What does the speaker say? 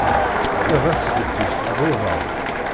Iḍ asget-is d uḍan.